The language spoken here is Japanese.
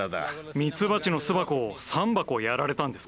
蜜蜂の巣箱を３箱やられたんですか？